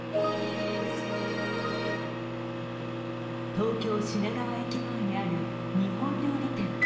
東京・品川駅前にある日本料理店。